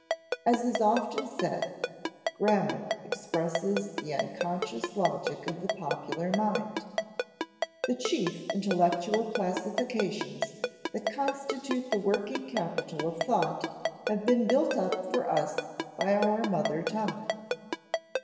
As is often said, grammar expresses the unconscious logic of the popular mind. _The chief intellectual classifications that constitute the working capital of thought have been built up for us by our mother tongue.